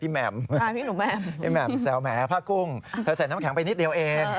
พี่แหม่มแสวแหม่พระกุ้งเธอใส่น้ำแข็งไปนิดเดียวเอง